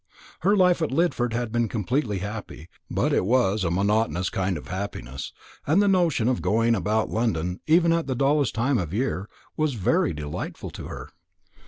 Her life at Lidford had been completely happy; but it was a monotonous kind of happiness; and the notion of going about London, even at the dullest time of the year, was very delightful to her.